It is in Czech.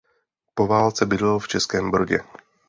Po válce bydlel v Českém Brodě.